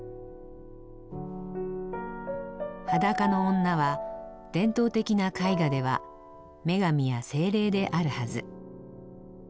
裸の女は伝統的な絵画では女神や精霊であるはず。